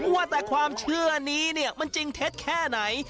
ว่าแต่ความเชื่อนี้เนี่ยมันจริงเท็จแค่ไหน